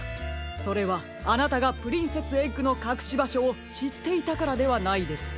それはあなたがプリンセスエッグのかくしばしょをしっていたからではないですか？